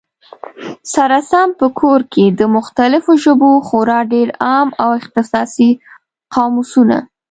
سره سم په کور کي، د مختلفو ژبو خورا ډېر عام او اختصاصي قاموسونه